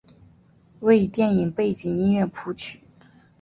为电影背景音乐谱曲。